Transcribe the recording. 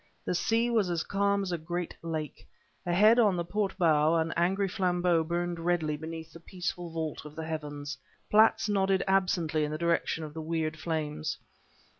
The sea was as calm as a great lake. Ahead, on the port bow, an angry flambeau burned redly beneath the peaceful vault of the heavens. Platts nodded absently in the direction of the weird flames.